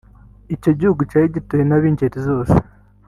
icyo gihugu cyari gituwe n'ab'ingeri zose